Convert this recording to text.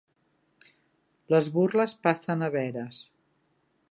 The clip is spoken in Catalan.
Les burles passen a veres.